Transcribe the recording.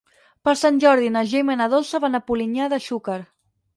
Per Sant Jordi na Gemma i na Dolça van a Polinyà de Xúquer.